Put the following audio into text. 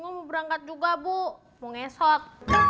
gue gak mau berangkat juga bu mau ngesot